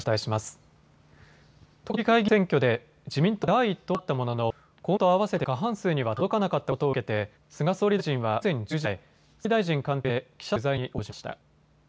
東京都議会議員選挙で自民党は第一党となったものの公明党と合わせて過半数には届かなかったことを受けて菅総理大臣は午前１０時前、総理大臣官邸で記者団の取材に応じました。